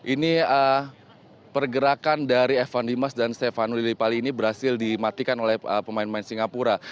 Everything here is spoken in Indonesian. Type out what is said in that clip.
ini pergerakan dari evan dimas dan stefano lillipali ini berhasil dimatikan oleh pemain pemain singapura